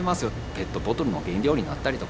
ペットボトルの原料になったりとか。